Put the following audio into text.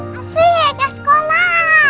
masih ke sekolah